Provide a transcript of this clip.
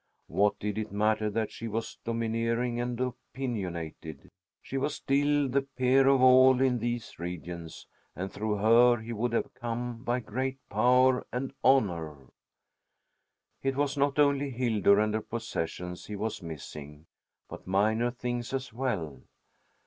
What did it matter that she was domineering and opinionated? She was still the peer of all in these regions, and through her he would have come by great power and honor. It was not only Hildur and her possessions he was missing, but minor things as well.